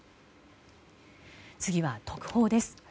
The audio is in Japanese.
次は、特報です。